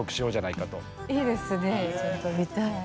いいですねちょっと見たい。